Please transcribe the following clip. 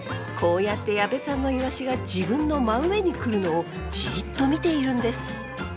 こうやって矢部さんのイワシが自分の真上に来るのをじっと見ているんです！